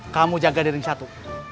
kamu jaga diri satu